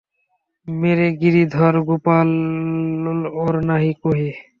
মেরে গিরিধর গোপাল, ঔর নাহি কোহি।